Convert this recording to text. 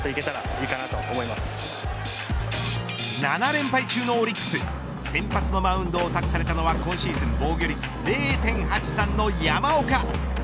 ７連敗中のオリックス先発のマウンドを託されたのは今シーズン防御率０．８３の山岡。